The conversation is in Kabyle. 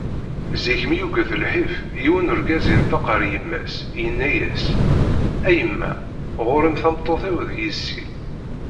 Zik mi yuget lḥif, yiwen urgaz yenṭeq ɣer yemma-s, yenna-as: “A yemma, ɣur-m tameṭṭut-iw d yessi."